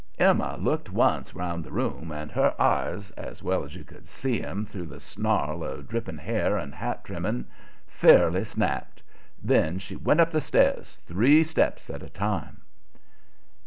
Emma looked once round the room, and her eyes, as well as you could see 'em through the snarl of dripping hair and hat trimming, fairly snapped. Then she went up the stairs three steps at a time.